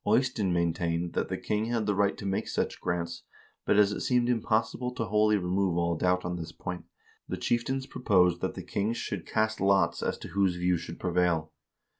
Eystein maintained that the king had the right to make such grants, but as it seemed impossible to wholly remove all doubt on this point, the chieftains proposed that the kings should cast lots as to whose view should prevail.